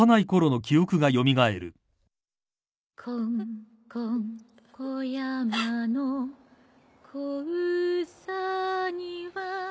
「こんこん小山の子うさぎは」